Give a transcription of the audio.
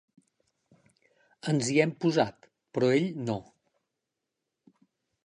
Ens hi hem posat, però ell no.